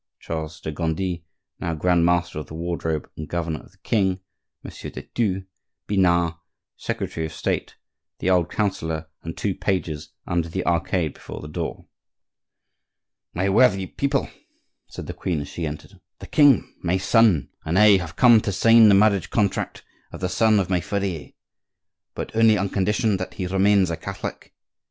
Charles de Gondi, now Grand master of the wardrobe and governor of the king, Monsieur de Thou, Pinard, secretary of State, the old counsellor, and two pages, under the arcade before the door. "My worthy people," said the queen as she entered, "the king, my son, and I have come to sign the marriage contract of the son of my furrier,—but only on condition that he remains a Catholic.